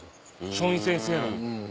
松陰先生の。